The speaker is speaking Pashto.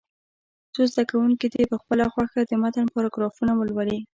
څو زده کوونکي دې په خپله خوښه د متن پاراګرافونه ولولي.